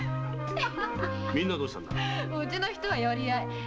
うちの人は寄り合い。